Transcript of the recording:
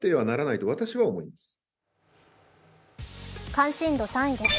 関心度３位です。